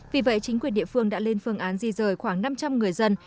vì vậy chính quyền địa phương đã lên phương án di rời khoảng năm trăm linh người dân